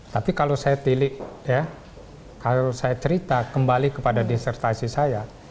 tapi kalau saya cerita kembali kepada disertasi saya